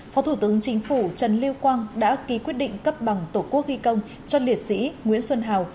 phó thủ tướng chính phủ trần lưu quang đã ký quyết định cấp bằng tổ quốc ghi công cho liệt sĩ nguyễn xuân hào